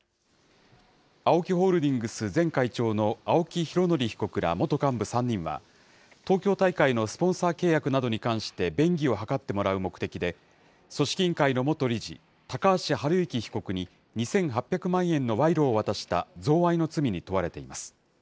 ＡＯＫＩホールディングス前会長の青木拡憲被告ら元幹部３人は、東京大会のスポンサー契約などに関して、便宜を図ってもらう目的で、組織委員会の元理事、高橋治之被告に２８００万円の賄賂を渡した贈賄の罪に問われています。